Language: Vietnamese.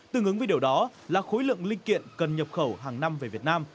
tương ứng với điều đó là khối lượng linh kiện cần nhập khẩu hàng năm về việt nam